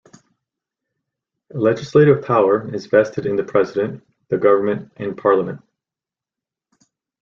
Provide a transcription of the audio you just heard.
Legislative power is vested in the President, the government and parliament.